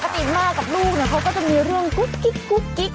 ปกติแม่กับลูกเขาก็จะมีเรื่องกุ๊กกิ๊ก